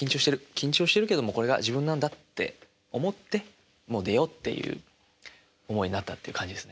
緊張してるけどもこれが自分なんだ」って思ってもう出ようっていう思いになったって感じですね。